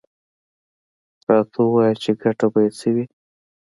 _راته ووايه چې ګټه به يې څه وي؟